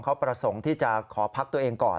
เขาประสงค์ที่จะขอพักตัวเองก่อน